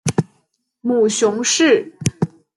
母熊氏。